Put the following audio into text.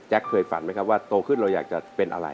เคยฝันไหมครับว่าโตขึ้นเราอยากจะเป็นอะไร